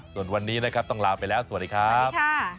ส่วนวันนี้นะครับต้องลาไปแล้วสวัสดีครับ